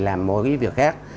làm mọi cái việc khác